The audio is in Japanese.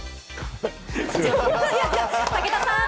武田さん。